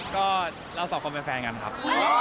ก็เราสองคนเป็นแฟนกันครับ